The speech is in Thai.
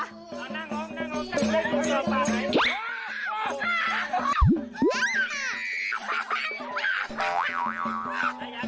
เย็น